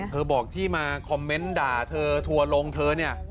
เธอบอกที่มาคอมเมนต์ด่าเธอถัวลงเธอ